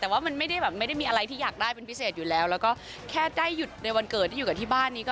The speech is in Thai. แต่ว่ามันไม่ได้แบบไม่ได้มีอะไรที่อยากได้เป็นพิเศษอยู่แล้วแล้วก็แค่ได้หยุดในวันเกิดที่อยู่กับที่บ้านนี้ก็